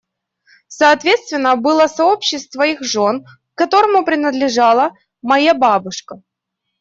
Соответственно, было сообщество их жен, к которому принадлежала моя бабушка.